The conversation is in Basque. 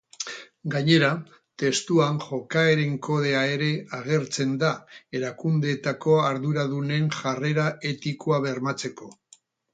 Gainera, testuan jokaeren kodea ere agertzen da erakundeetako arduradunen jarrera etikoa bermatzeko.